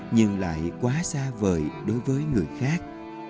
nhưng lại quá xa vời đối với người khác